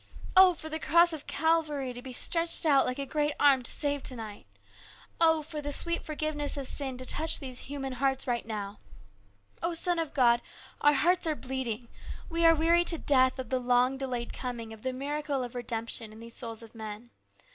Oh, for the Cross of Calvary to be stretched out like a great arm to save to night ! Oh, for the sweet forgiveness of sin to touch these human hearts right now ! O Son of God, our hearts are bleeding ; we are weary to death of the long delayed coming of the miracle of redemption in these souls of men.